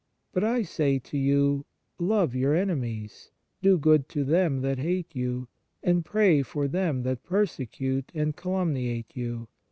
But I say to you, Love your enemies: do good to them that hate you: and pray for them that persecute and calumniate you: 5:45.